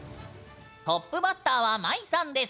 トップバッターはまいさんです。